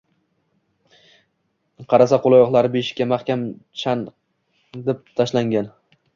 Qarasa qo‘l-oyoqlari beshikka mahkam chandib tashlangan.